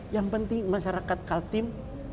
yang penting masyarakat kaltim